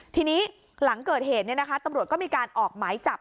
ทีนี้หลังเกิดเหตุตำรวจก็มีการออกหมายจับ